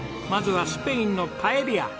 まずはスペインのパエリア。